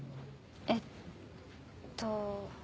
えっと。